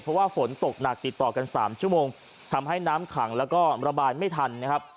เพราะว่าฝนตกหนักติดต่อกัน๓ชั่วโมงทำให้น้ำขังแล้วก็ระบายไม่ทันนะครับ